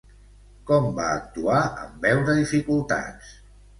Com va actuar en veure dificultats?